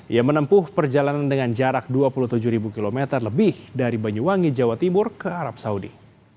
ia menempuh perjalanan dengan jarak dua puluh tujuh km lebih dari banyuwangi jawa timur ke arab saudi